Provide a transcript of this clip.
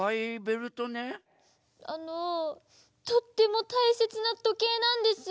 あのとってもたいせつなとけいなんです。